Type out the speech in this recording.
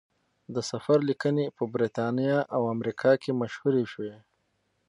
د سفر لیکنې په بریتانیا او امریکا کې مشهورې شوې.